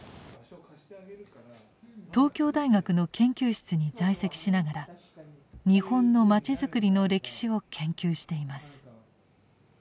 東京大学の研究室に在籍しながら日本のまちづくりの歴史を研究しています。